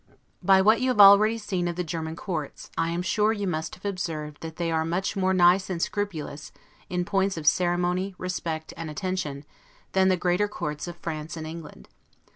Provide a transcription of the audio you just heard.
By what you have already seen of the German courts, I am sure you must have observed that they are much more nice and scrupulous, in points of ceremony, respect and attention, than the greater courts of France and England.